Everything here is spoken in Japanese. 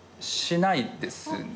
しないですね。